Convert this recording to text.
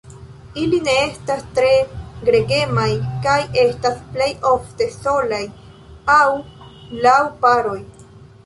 Ili ne estas tre gregemaj kaj estas plej ofte solaj aŭ laŭ paroj.